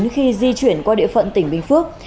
khi di chuyển qua địa phận tỉnh bình phước